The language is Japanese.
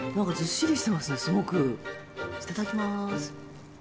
いただきます。